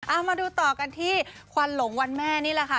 เอามาดูต่อกันที่ควันหลงวันแม่นี่แหละค่ะ